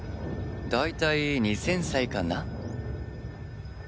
大体２０００歳かな？